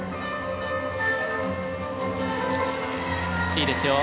いいですよ。